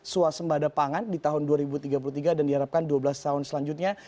suasembada pangan di tahun dua ribu tiga puluh tiga dan diharapkan dua belas tahun selanjutnya